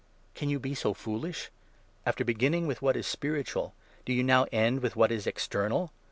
Can you be so foolish ? After beginning with 3 what is spiritual, do you now end with what is external?